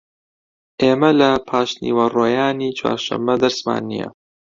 ئێمە لە پاشنیوەڕۆیانی چوارشەممە دەرسمان نییە.